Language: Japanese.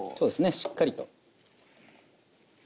しっかりと。